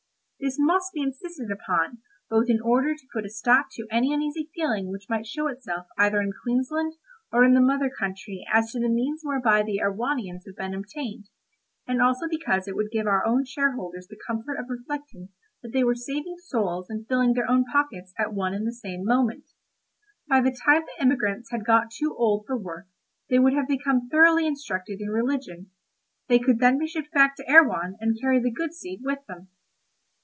This must be insisted upon, both in order to put a stop to any uneasy feeling which might show itself either in Queensland or in the mother country as to the means whereby the Erewhonians had been obtained, and also because it would give our own shareholders the comfort of reflecting that they were saving souls and filling their own pockets at one and the same moment. By the time the emigrants had got too old for work they would have become thoroughly instructed in religion; they could then be shipped back to Erewhon and carry the good seed with them.